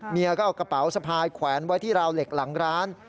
เมียก็เอากระเป๋าสะพายแขวนไว้ที่ราวเหล็กหลังร้าน